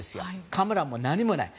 カメラも何もない。